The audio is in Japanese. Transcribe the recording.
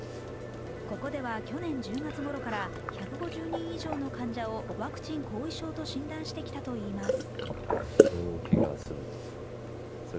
ここでは去年１０月ごろから１５０人以上の患者をワクチン後遺症と診断してきたといいます。